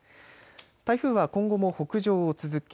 台風は、今後も北上を続け